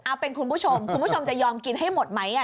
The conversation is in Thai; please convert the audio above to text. เอาเป็นคุณผู้ชมคุณผู้ชมจะยอมกินให้หมดไหม